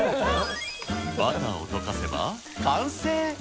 バターを溶かせば、完成。